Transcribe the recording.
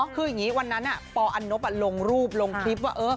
คืออย่างนี้วันนั้นปอันนบลงรูปลงคลิปว่า